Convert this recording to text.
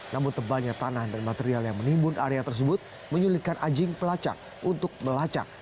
namun tebalnya tanah dan material yang menimbun area tersebut menyulitkan anjing pelacak untuk melacak